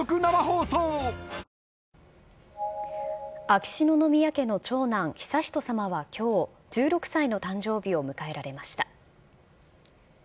秋篠宮家の長男、悠仁さまはきょう、１６歳の誕生日を迎えられました。